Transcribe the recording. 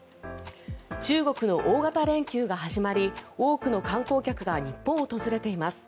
中国の大型連休が始まり多くの観光客が日本を訪れています。